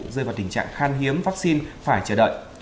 rơi vào tình trạng khan hiếm vaccine phải chờ đợi